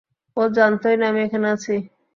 ও জানতই না আমি এখানে আছি।